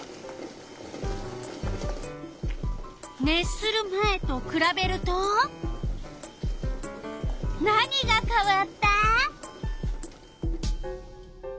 熱する前とくらべると何がかわった？